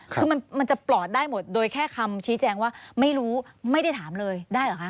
คือมันจะปลอดได้หมดโดยแค่คำชี้แจงว่าไม่รู้ไม่ได้ถามเลยได้เหรอคะ